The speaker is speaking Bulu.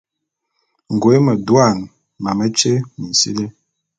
Ngoe medouan, mametye minsili.